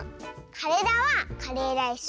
「カレラ」は「カレーライス」。